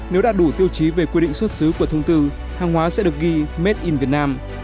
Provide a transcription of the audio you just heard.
nếu đạt đủ tiêu chí về quy định xuất xứ của thông tư hàng hóa sẽ được ghi made in vietnam